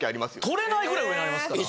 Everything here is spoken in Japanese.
取れないぐらい上にありますから。